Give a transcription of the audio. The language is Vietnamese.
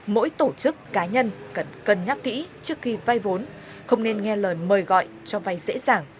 mỗi tổ chức cá nhân cần cân nhắc thỉ trước khi vai vốn không nên nghe lời mời gọi cho vai dễ dàng